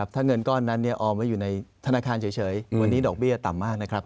ถ้าเงินก้อนนั้นออมไว้อยู่ในธนาคารเฉยวันนี้ดอกเบี้ยต่ำมากนะครับ